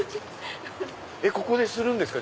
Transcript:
ここでするんですか？